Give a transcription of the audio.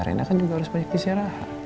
karena kan juga harus banyak istirahat